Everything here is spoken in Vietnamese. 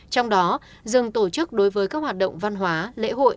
trong đó dừng tổ chức đối với các hoạt động văn hóa lễ hội